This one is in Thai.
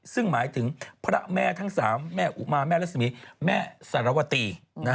ซึ่งหมายถึงพระแม่ทั้ง๓แม่อุมาแม่รัศมีแม่สารวตี